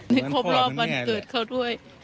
ครบรอบวันเกิดเขาด้วย